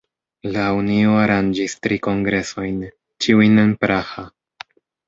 La Unio aranĝis tri kongresojn, ĉiujn en Praha.